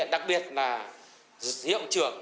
đặc biệt là hiệu trưởng